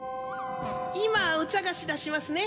今お茶菓子出しますね。